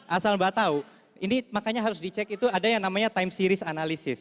asal mbak tahu ini makanya harus dicek itu ada yang namanya time series analysis